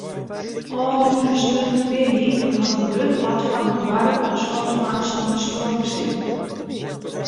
Ofrûne sneontemiddei hat in grut part fan it doarp in skoftlang sonder stroom sitten.